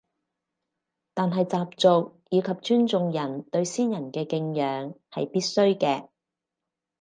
但係習俗以及尊重人對先人嘅敬仰係必須嘅